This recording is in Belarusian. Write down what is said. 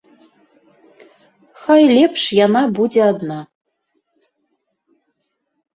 Хай лепш яна будзе адна.